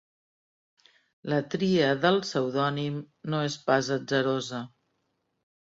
La tria del pseudònim no és pas atzarosa.